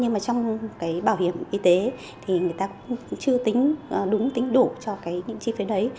thứ tư trong bảo hiểm y tế thì người ta cũng chưa tính đúng tính đủ cho những chi phí đấy